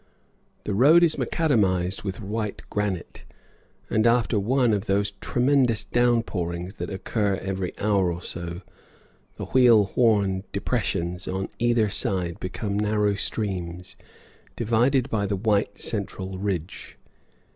The road is macadamized with white granite, and after one of those tremendous downpourings that occur every hour or so the wheel worn depressions on either side become narrow streams, divided by the white central ridge.